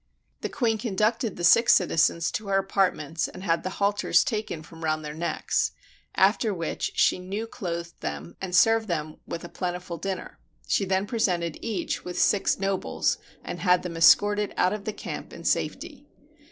The queen conducted the six citizens to her apartments, and had the halters taken from round their necks, after which she new clothed them, and served them with a plentiful dinner: she then presented each with six nobles,^ and had them escorted out of the camp in safety.